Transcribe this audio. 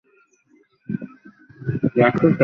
অন্য কোন পদার্থের উপর উহার অস্তিত্ব নির্ভর করে না।